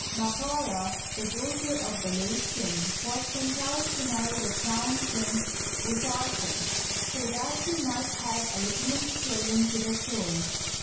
Md^kaRd, the daughter of the late king, was compelled to marry the crown prince Usarken, so that he might have a legitimate claim to the throne.